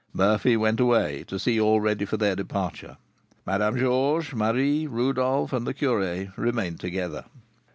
Murphy went away, to see all ready for their departure. Madame Georges, Marie, Rodolph, and the curé remained together.